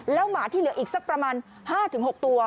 หมาที่เหลืออีกสักประมาณ๕๖ตัว